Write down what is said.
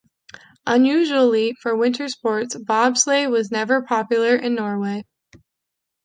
Unusually for winter sports, bobsleigh has never been popular in Norway.